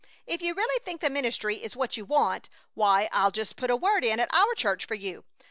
If you really think the ministry is what you want, why, I'll just put a word in at our church for you.